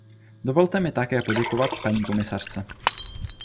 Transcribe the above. Dovolte mi také poděkovat paní komisařce.